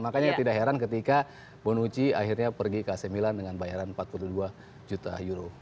makanya tidak heran ketika bonucci akhirnya pergi ke ac milan dengan bayaran empat puluh dua juta euro